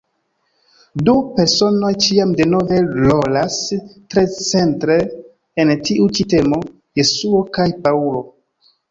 Du personoj ĉiam denove rolas tre centre en tiu ĉi temo: Jesuo kaj Paŭlo.